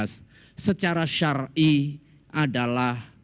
secara syari'i adalah